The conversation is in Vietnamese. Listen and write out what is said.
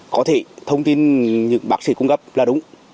có thể thông tin những bác sĩ cung cấp là đúng